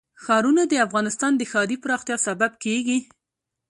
ښارونه د افغانستان د ښاري پراختیا سبب کېږي.